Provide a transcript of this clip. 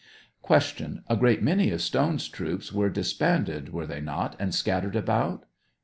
Q. A great many of Stone's troops were disbanded, were they not, and scattered about